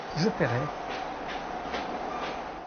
Je paierai.